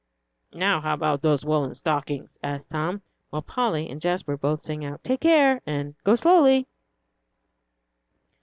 "Now, how about the woollen stockings?" asked Tom, while Polly and Jasper both sang out, "Take care," and "Go slowly."